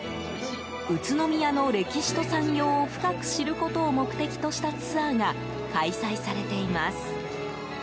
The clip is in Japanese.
宇都宮の歴史と産業を深く知ることを目的としたツアーが開催されています。